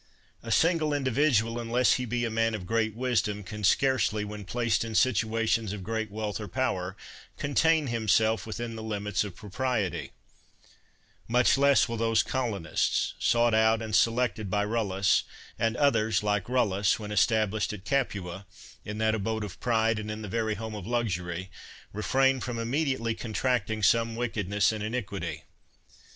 A single individual, unless he be a man of great wisdom, can scarcely, when placed in situations of great wealth or power, contain himself within the limits of propriety ; much less will those colo nists, sought out and selected by KuUus, and others like Rullus, when established at Capua, in that abode of pride, and in the very home of luxury, refrain from immediately contracting some wickedness and iniquity.